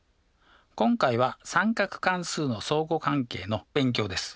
今回は三角関数の相互関係の勉強です。